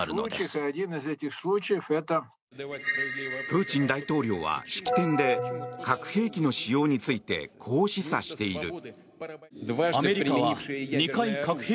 プーチン大統領は式典で核兵器の使用についてこう示唆している。